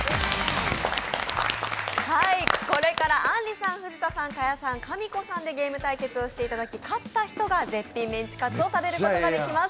これからあんりさん、藤田さん、賀屋さん、かみこさんでゲーム対決をしていただき、勝った方が絶品メンチカツを食べることができます。